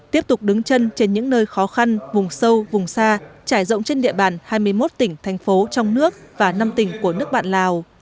tiếp tục đứng chân trên những nơi khó khăn vùng sâu vùng xa trải rộng trên địa bàn hai mươi một tỉnh thành phố trong nước và năm tỉnh của nước bạn lào